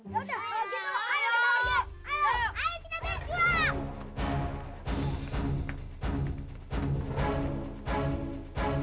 ya udah begitu ayo kita pergi